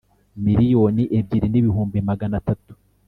miliyoni ebyiri n ibihumbi magana atatu